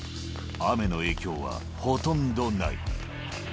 雨の影響はほとんどない。